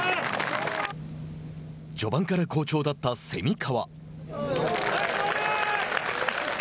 序盤から好調だった蝉川。